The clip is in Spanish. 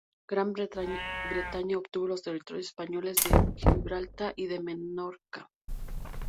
Gran Bretaña obtuvo los territorios españoles de Gibraltar y de Menorca.